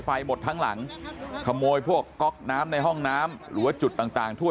หมดทั้งหลังขโมยพวกก๊อกน้ำในห้องน้ำหรือว่าจุดต่างต่างทั่ว